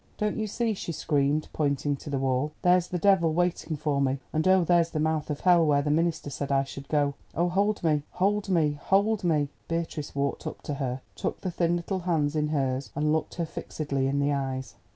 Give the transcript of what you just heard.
"Don't you see," she screamed, pointing to the wall, "there's the Devil waiting for me? And, oh, there's the mouth of hell where the minister said I should go! Oh, hold me, hold me, hold me!" Beatrice walked up to her, took the thin little hands in hers, and looked her fixedly in the eyes.